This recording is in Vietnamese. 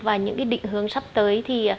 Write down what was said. và những cái định hướng sắp tới thì